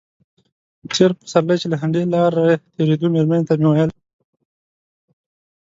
تېر پسرلی چې له همدې لارې تېرېدو مېرمنې ته مې ویل.